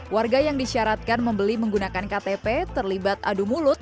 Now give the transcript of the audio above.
warga yang disyaratkan membeli menggunakan ktp terlibat adu mulut